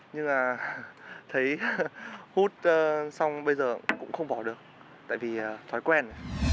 nhưng mà thấy hút xong bây giờ cũng không bỏ được tại vì thói quen